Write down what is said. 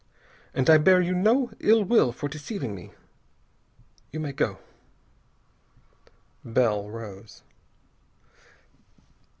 And I bear you no ill will for deceiving me. You may go." Bell rose.